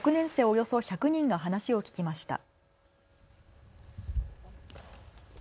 およそ１００人の話を聞きました。